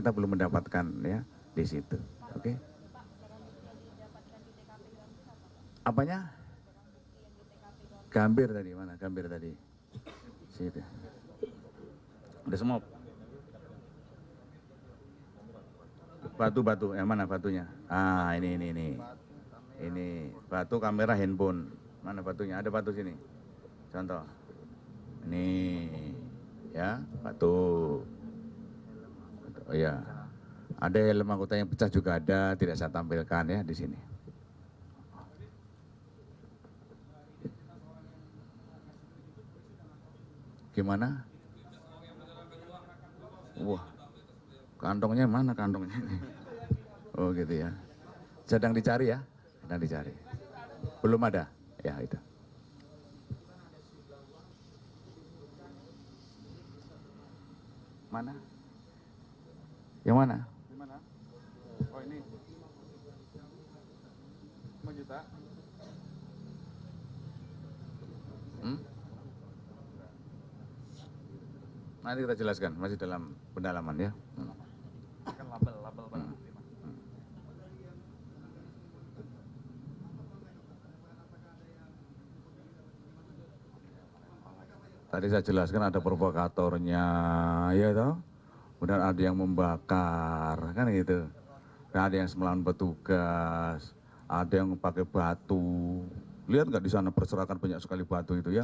terima kasih terima kasih